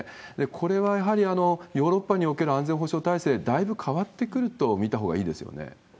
これはやはりヨーロッパにおける安全保障体制、だいぶ変わってくると見たほうがいいですよね？